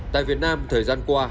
tại việt nam thời gian qua